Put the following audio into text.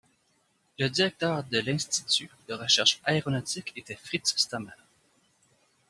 Le directeur de l'institut de recherche aéronautique était Fritz Stamer.